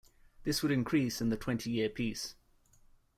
This would increase in the twenty-year peace.